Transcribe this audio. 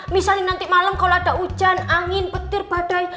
misalnya nanti malam kalau ada hujan angin petir badai